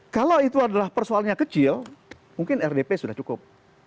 kalau itu adalah persoalnya kecil mungkin rdp sudah cukup